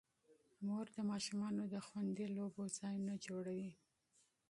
مور د ماشومانو د خوندي لوبو ځایونه جوړوي.